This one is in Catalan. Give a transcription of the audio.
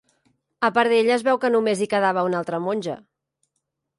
A part d'ella es veu que només hi quedava una altra monja.